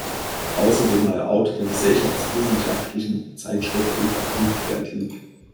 Außerdem war er Autor der gesellschaftswissenschaftlichen Zeitschrift "Utopie kreativ".